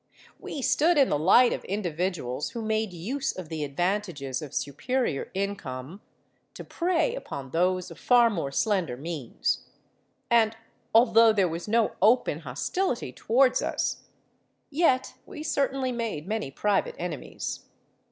We stood in the light of individuals who made use of the advantages of superior income to prey upon those of far more slender means; and although there was no open hostility towards us, yet we certainly made many private enemies.